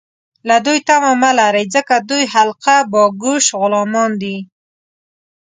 له دوی تمه مه لرئ ، ځکه دوی حلقه باګوش غلامان دي